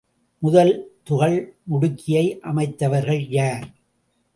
முதல் துகள்முடுக்கியை அமைத்தவர்கள் யார்?